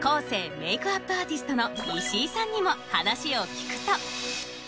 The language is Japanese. メイクアップアーティストの石井さんにも話を聞くと。